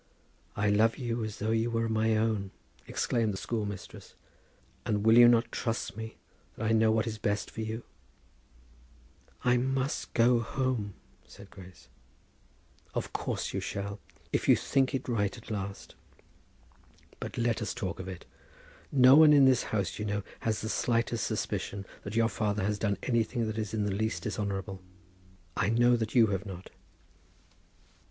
"I love you as though you were my own," exclaimed the schoolmistress; "and will you not trust me, that I know what is best for you?" [Illustration: "I love you as though you were my own," said the Schoolmistress.] "I must go home," said Grace. "Of course you shall, if you think it right at last; but let us talk of it. No one in this house, you know, has the slightest suspicion that your father has done anything that is in the least dishonourable." "I know that you have not."